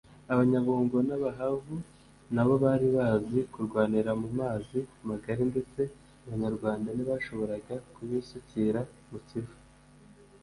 Abanyabungo n’Abahavu nabo bari bazi kurwanira mu mazi magari ndetse abanyarwanda ntibashoboraga kubisukira mu Kivu